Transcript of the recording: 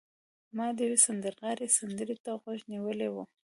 ما د یو سندرغاړي سندرې ته غوږ نیولی و